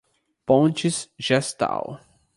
Pontes Gestal